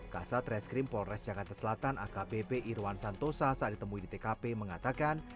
kasat reskrim polres jakarta selatan akbp irwan santosa saat ditemui di tkp mengatakan